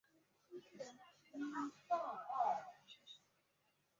不要搞奇奇怪怪的建筑。